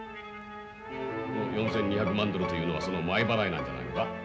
この４，２００万ドルというのはその前払いなんじゃないのか？